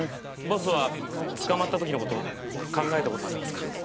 ボスは捕まった時のこと考えたことありますか？